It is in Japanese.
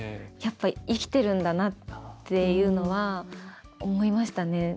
やっぱ生きてるんだなっていうのは思いましたね。